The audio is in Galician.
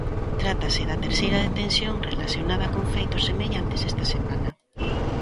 Trátase da terceira detención relacionada con feitos semellantes esta semana.